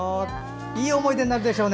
いい思い出になるでしょうね。